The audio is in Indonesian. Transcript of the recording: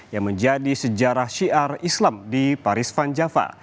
yang menjadi sejarah syiar islam di paris van java